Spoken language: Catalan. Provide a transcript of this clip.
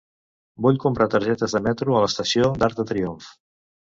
Vull comprar targetes de metro a l'estació d'Arc de Triomf.